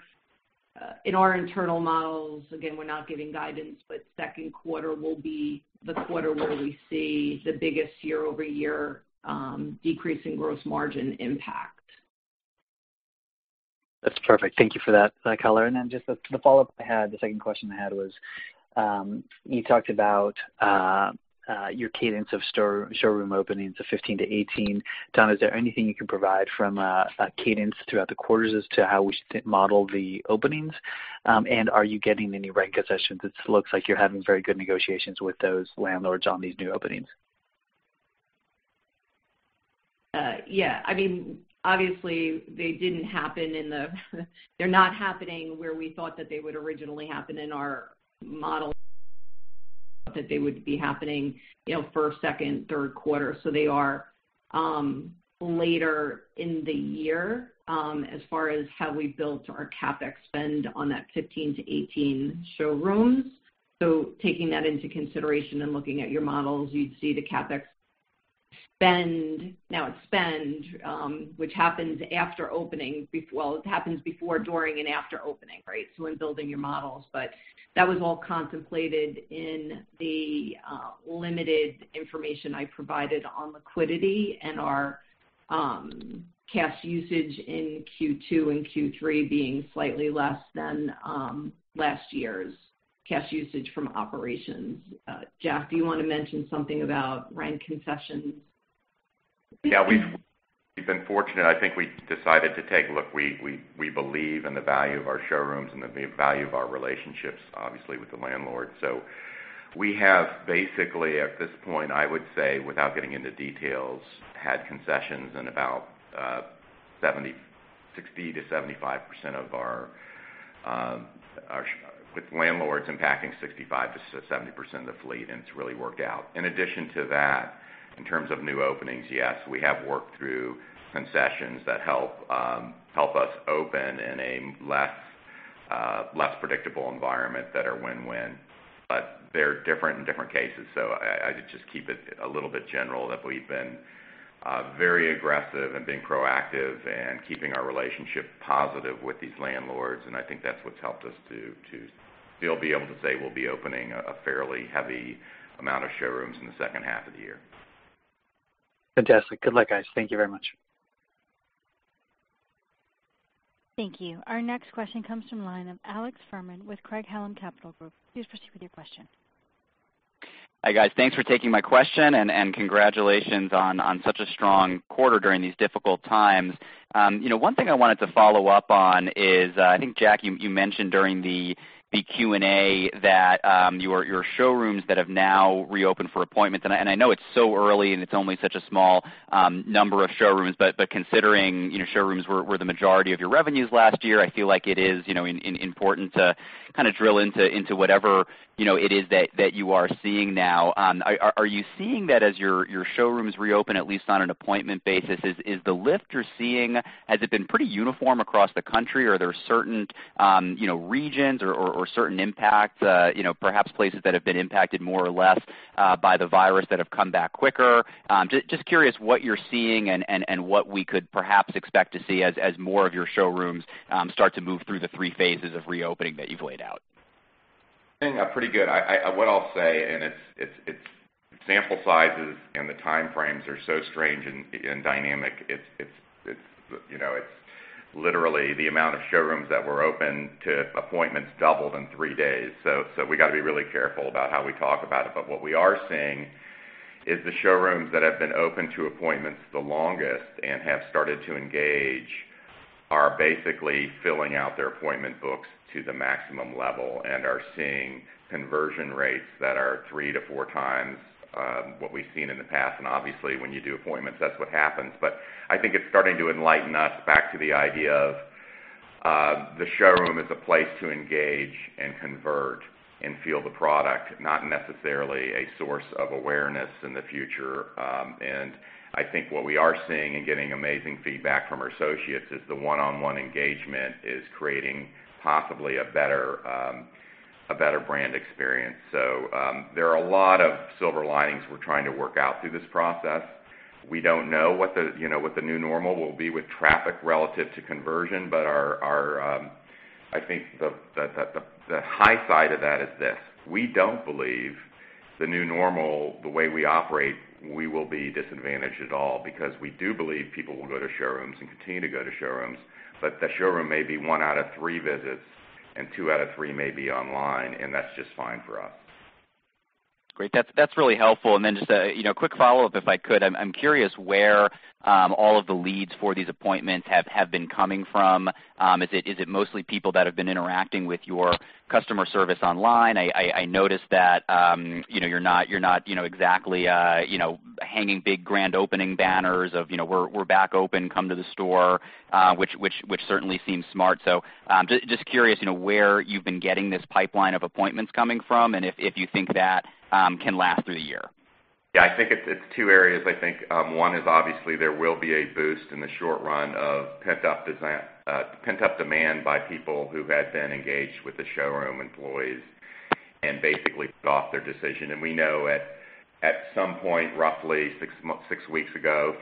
in our internal models, again, we're not giving guidance, but second quarter will be the quarter where we see the biggest YoY decrease in gross margin impact. That's perfect. Thank you for that, color. Just the follow-up I had, the second question I had was, you talked about your cadence of store-showroom openings of 15-18. Donna, is there anything you can provide from a cadence throughout the quarters as to how we should model the openings? And are you getting any rent concessions? It looks like you're having very good negotiations with those landlords on these new openings. Yeah, I mean, obviously they didn't happen in the—they're not happening where we thought that they would originally happen in our model, that they would be happening, you know, first, second, third quarter. So they are later in the year as far as how we built our CapEx spend on that 15-18 showrooms. So taking that into consideration and looking at your models, you'd see the CapEx spend. Now it's spend, which happens after opening—well, it happens before, during, and after opening, right? So when building your models, but that was all contemplated in the limited information I provided on liquidity and our cash usage in Q2 and Q3 being slightly less than last year's cash usage from operations. Jack, do you wanna mention something about rent concessions? Yeah. We've been fortunate. I think we decided to take a look. We believe in the value of our showrooms and the value of our relationships, obviously, with the landlord. We have basically, at this point, I would say, without getting into details, had concessions in about 60%-75% of our showrooms with landlords and locking 65%-70% of the fleet, and it's really worked out. In addition to that, in terms of new openings, yes, we have worked through concessions that help us open in a less predictable environment that are win-win. They're different in different cases, so I just keep it a little bit general that we've been very aggressive and been proactive in keeping our relationship positive with these landlords, and I think that's what's helped us to still be able to say we'll be opening a fairly heavy amount of showrooms in the second half of the year. Fantastic. Good luck, guys. Thank you very much. Thank you. Our next question comes from the line of Alex Fuhrman with Craig-Hallum Capital Group. Please proceed with your question. Hi, guys. Thanks for taking my question, and congratulations on such a strong quarter during these difficult times. You know, one thing I wanted to follow up on is, I think, Jack, you mentioned during the Q&A that your showrooms that have now reopened for appointments, and I know it's so early and it's only such a small number of showrooms, but considering, you know, showrooms were the majority of your revenues last year, I feel like it is, you know, important to kind of drill into whatever, you know, it is that you are seeing now. Are you seeing that as your showrooms reopen, at least on an appointment basis, is the lift you're seeing, has it been pretty uniform across the country, or are there certain, you know, regions or certain impacts, you know, perhaps places that have been impacted more or less by the virus that have come back quicker? Just curious what you're seeing and what we could perhaps expect to see as more of your showrooms start to move through the three phases of reopening that you've laid out. What I'll say, and it's sample sizes and the time frames are so strange and dynamic, you know, it's literally the amount of showrooms that were open to appointments doubled in three days. So we gotta be really careful about how we talk about it. But what we are seeing is the showrooms that have been open to appointments the longest and have started to engage are basically filling out their appointment books to the maximum level and are seeing conversion rates that are three-four times what we've seen in the past. Obviously, when you do appointments, that's what happens. I think it's starting to enlighten us back to the idea of, the showroom is a place to engage and convert and feel the product, not necessarily a source of awareness in the future. I think what we are seeing and getting amazing feedback from our associates is the one-on-one engagement is creating possibly a better brand experience. There are a lot of silver linings we're trying to work out through this process. We don't know what the, you know, what the new normal will be with traffic relative to conversion, but our. I think the high side of that is this: We don't believe the new normal, the way we operate, we will be disadvantaged at all because we do believe people will go to showrooms and continue to go to showrooms, but the showroom may be one out of three visits, and two out of three may be online, and that's just fine for us. Great. That's really helpful. Just a, you know, quick follow-up if I could. I'm curious where all of the leads for these appointments have been coming from. Is it mostly people that have been interacting with your customer service online? I noticed that, you know, you're not exactly hanging big grand opening banners of, you know, "We're back open, come to the store," which certainly seems smart. Just curious, you know, where you've been getting this pipeline of appointments coming from and if you think that can last through the year. Yeah. I think it's two areas. I think one is obviously there will be a boost in the short run of pent-up demand by people who had been engaged with the showroom employees and basically put off their decision. We know at some point, roughly six weeks ago,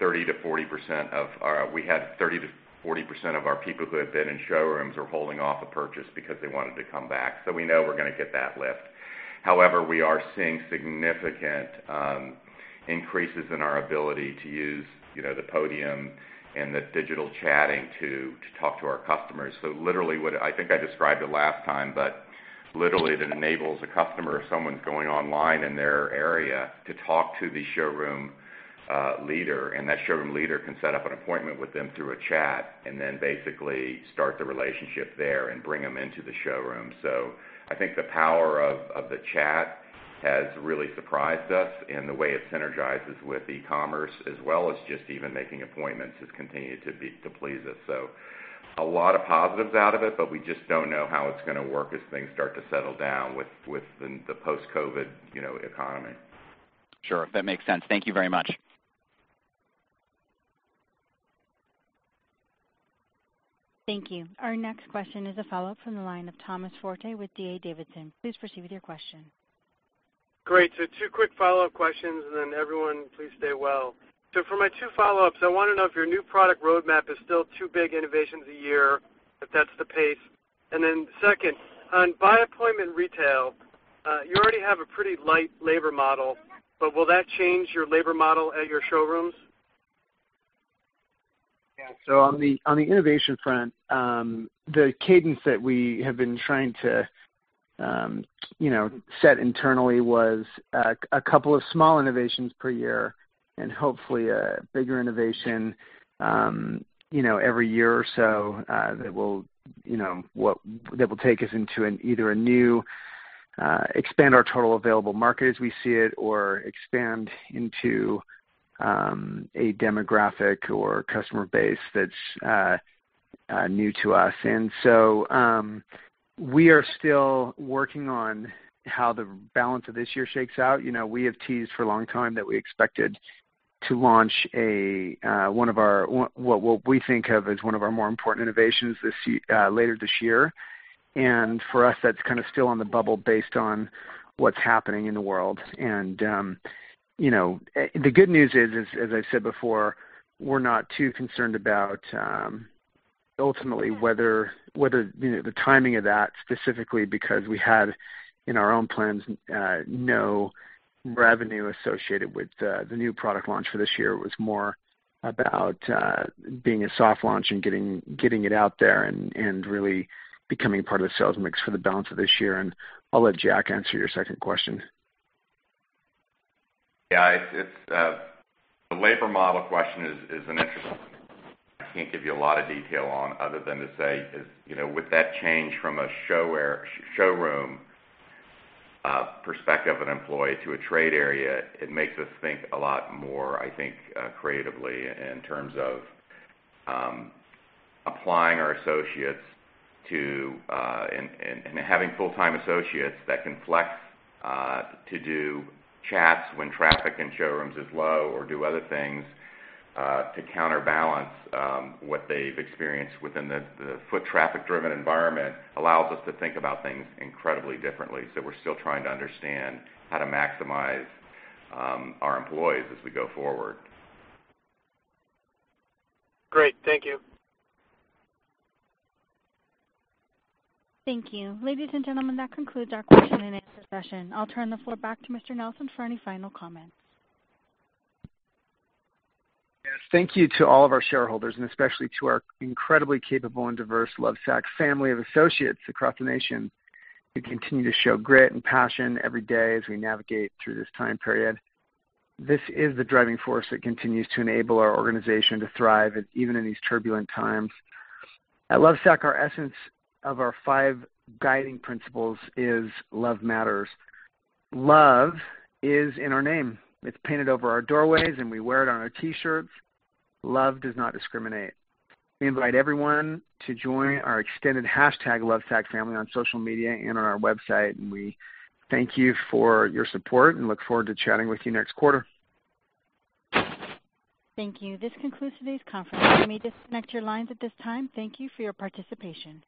30%-40% of our people who had been in showrooms were holding off a purchase because they wanted to come back. We know we're gonna get that lift. However, we are seeing significant increases in our ability to use, you know, the Podium and the digital chatting to talk to our customers. Literally what... I think I described it last time, but literally it enables a customer or someone going online in their area to talk to the showroom leader, and that showroom leader can set up an appointment with them through a chat, and then basically start the relationship there and bring them into the showroom. So I think the power of the chat has really surprised us in the way it synergizes with e-commerce as well as just even making appointments has continued to please us. So, a lot of positives out of it, but we just don't know how it's gonna work as things start to settle down with the post-COVID-19, you know, economy. Sure. That makes sense. Thank you very much. Thank you. Our next question is a follow-up from the line of Thomas Forte with D.A. Davidson. Please proceed with your question. Great. Two quick follow-up questions, and then everyone, please stay well. For my two follow-ups, I wanna know if your new product roadmap is still two big innovations a year, if that's the pace. Then second, on by-appointment retail, you already have a pretty light labor model, but will that change your labor model at your showrooms? Yeah. On the innovation front, the cadence that we have been trying to you know set internally was a couple of small innovations per year, and hopefully a bigger innovation you know every year or so that will you know take us into either a new expand our total available market as we see it or expand into a demographic or customer base that's new to us. We are still working on how the balance of this year shakes out. You know, we have teased for a long time that we expected to launch what we think of as one of our more important innovations this year later this year. For us, that's kinda still on the bubble based on what's happening in the world. You know, the good news is, as I said before, we're not too concerned about ultimately whether you know, the timing of that specifically because we had, in our own plans, no revenue associated with the new product launch for this year. It was more about being a soft launch and getting it out there and really becoming part of the sales mix for the balance of this year. I'll let Jack answer your second question. Yeah. It's the labor model question is an interesting one. I can't give you a lot of detail other than to say, you know, with that change from a showroom perspective of an employee to a trade area, it makes us think a lot more, I think, creatively in terms of applying our associates and having full-time associates that can flex to do chats when traffic in showrooms is low or do other things to counterbalance what they've experienced within the foot traffic-driven environment allows us to think about things incredibly differently. We're still trying to understand how to maximize our employees as we go forward. Great. Thank you. Thank you. Ladies and gentlemen, that concludes our question and answer session. I'll turn the floor back to Mr. Nelson for any final comments. Yes. Thank you to all of our shareholders, and especially to our incredibly capable and diverse Lovesac family of associates across the nation, who continue to show grit and passion every day as we navigate through this time period. This is the driving force that continues to enable our organization to thrive even in these turbulent times. At Lovesac, our essence of our five guiding principles is love matters. Love is in our name. It's painted over our doorways, and we wear it on our T-shirts. Love does not discriminate. We invite everyone to join our extended hashtag Lovesac family on social media and on our website. We thank you for your support and look forward to chatting with you next quarter. Thank you. This concludes today's conference. You may disconnect your lines at this time. Thank you for your participation.